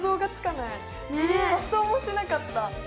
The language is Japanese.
発想もしなかった。